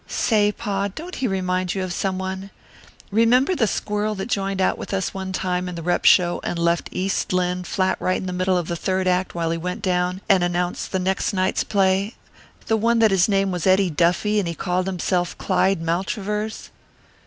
"Say, Pa, don't he remind you of someone? Remember the squirrel that joined out with us one time in the rep show and left 'East Lynne' flat right in the middle of the third act while he went down and announced the next night's play the one that his name was Eddie Duffy and he called himself Clyde Maltravers?"